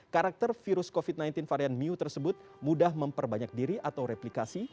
karakter virus covid sembilan belas varian new tersebut mudah memperbanyak diri atau replikasi